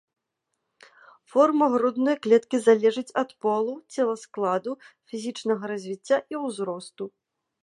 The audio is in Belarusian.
Форма грудной клеткі залежыць ад полу, целаскладу, фізічнага развіцця і ўзросту.